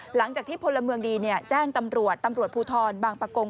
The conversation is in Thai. หลังจากที่พลเมืองดีแจ้งตำรวจตำรวจภูทรบางประกง